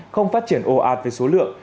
không phát triển ô ạt về số lượng